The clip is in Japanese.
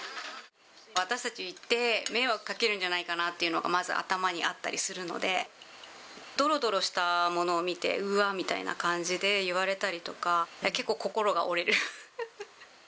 私たち行って、迷惑かけるんじゃないかなっていうのがまず頭にあったりするので、どろどろしたものを見て、うわぁみたいな感じで言われたりとか、結構、心が折れる。